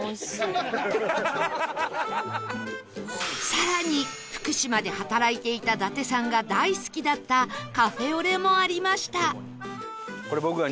更に福島で働いていた伊達さんが大好きだったカフェオレもありました